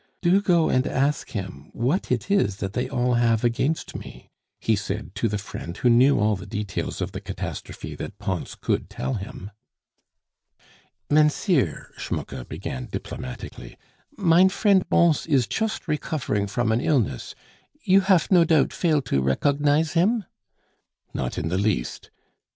"Do go and ask him what it is that they all have against me," he said to the friend who knew all the details of the catastrophe that Pons could tell him. "Mennseir," Schmucke began diplomatically, "mine friend Bons is chust recofering from an illness; you haf no doubt fail to rekognize him?" "Not in the least."